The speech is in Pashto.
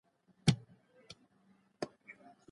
ګیدړ هم له خوشالیه کړې نڅاوي